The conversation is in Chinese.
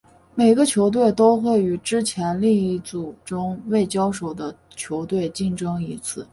每个球队都会与之前另一小组中未交手的球队竞争一次。